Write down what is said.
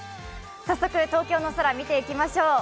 早速東京の空見ていきましょう。